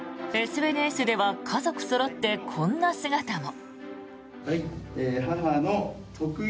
ＳＮＳでは家族そろってこんな姿も。